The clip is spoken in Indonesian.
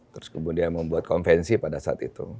terus kemudian membuat konvensi pada saat itu